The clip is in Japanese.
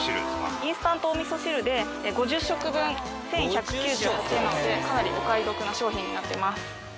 インスタントお味噌汁で５０食分１，１９８円なのでかなりお買い得な商品になってます。